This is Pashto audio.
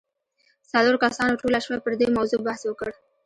څلورو کسانو ټوله شپه پر دې موضوع بحث وکړ.